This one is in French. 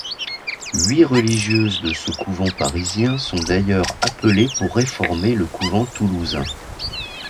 Huit religieuses de ce couvent parisien sont d'ailleurs appelées pour réformer le couvent toulousain.